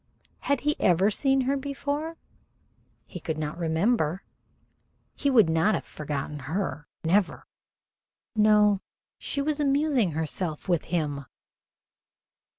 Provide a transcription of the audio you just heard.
Had he ever seen her before? He could not remember. He would not have forgotten her never. No, she was amusing herself with him.